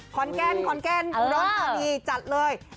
ขอนแก้นขอนแก้นร้อนตอนนี้จัดเลย